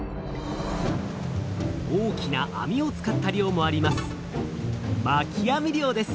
大きなあみを使った漁もあります。